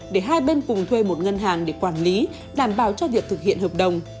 để hai bên cùng thuê một ngân hàng để quản lý đảm bảo cho việc thực hiện hợp đồng